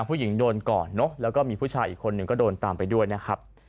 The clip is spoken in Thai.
ผู้หญิงโดนก่อนเนอะแล้วก็มีผู้ชายอีกคนหนึ่งก็โดนตามไปด้วยนะครับ